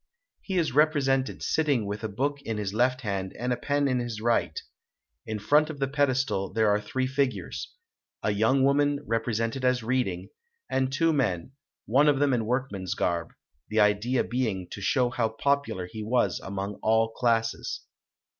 He is represented sitting with a book in his left hand and a pen in his right; in front of the pedestal there are three figures a young woman represented as reading, and two men, one of them in workman's garb; the idea being to show how popular he was among all classes.